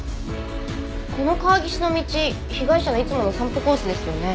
この川岸の道被害者のいつもの散歩コースですよね。